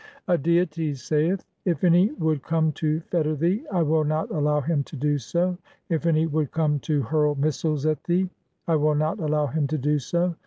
III. A deity (?) saith :— "(1) If any would come to fetter thee "I will not allow him to do so ; (2) if any would come to "hurl missiles at thee I will not allow him to do so.